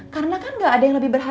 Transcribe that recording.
pertimbangkan lebih mana regionnya